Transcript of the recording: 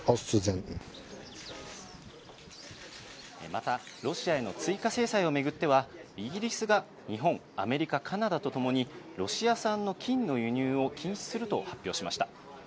また、ロシアへの追加制裁を巡っては、イギリスが日本、アメリカ、カナダと共に、ロシア産の金の輸入を禁止すると発表しました。